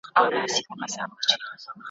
ته به مي د لیک په تمه سره اهاړ ته منډه کې ,